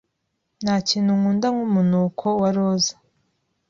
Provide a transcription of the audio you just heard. Ntakintu nkunda nkumunuko wa roza.